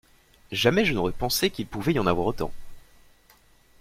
Jamais je n’aurais pensé qu’il pouvait y en avoir autant.